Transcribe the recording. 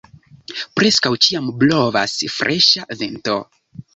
Preskaŭ ĉiam blovas freŝa vento.